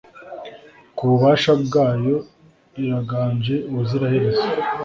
Ku bubasha bwayo iraganje ubuziraherezo